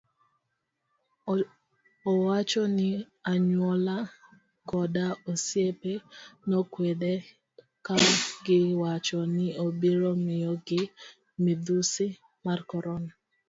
Owacho ni anyuola koda osiepe nokwede kagiwacho ni obiro miyo gi midhusi mar korona.